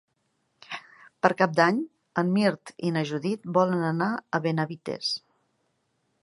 Per Cap d'Any en Mirt i na Judit volen anar a Benavites.